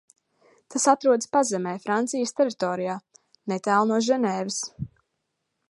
Tas atrodas pazemē Francijas teritorijā, netālu no Ženēvas.